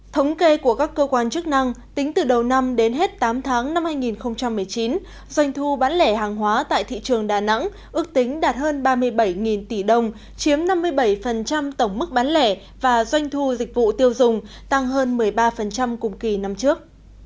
thống kê của các cơ quan chức năng tính từ đầu năm đến hết tám tháng năm hai nghìn một mươi chín doanh thu bán lẻ hàng hóa tại thị trường đà nẵng ước tính đạt hơn ba mươi bảy tỷ đồng chiếm năm mươi bảy tổng mức bán lẻ và doanh thu dịch vụ tiêu dùng tăng hơn một mươi ba cùng kỳ năm trước